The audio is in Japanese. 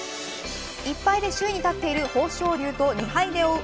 １敗で首位に立っている豊昇龍と２敗目を追う